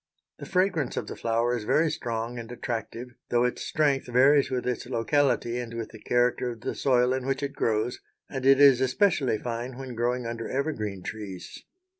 The fragrance of the flower is very strong and attractive, though its strength varies with its locality and with the character of the soil in which it grows, and it is especially fine when growing under evergreen trees.